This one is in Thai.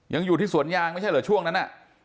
อยู่ที่สวนยางไม่ใช่เหรอช่วงนั้นน่ะ